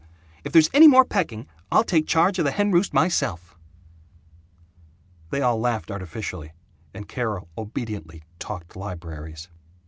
If there's any more pecking, I'll take charge of the hen roost myself!" They all laughed artificially, and Carol obediently "talked libraries."